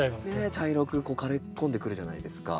茶色く枯れ込んでくるじゃないですか。